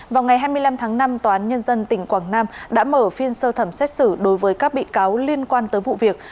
vào ngày hai mươi năm tháng năm tòa án nhân dân tỉnh quảng nam đã mở phiên sơ thẩm xét xử đối với các bị cáo liên quan tới vụ việc